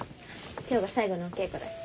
今日が最後のお稽古だし。